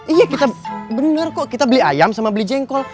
iya kita benar kok kita beli ayam sama beli jengkol